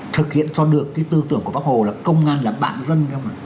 thực hiện cho được cái tư tưởng của bác hồ là công an là bạn dân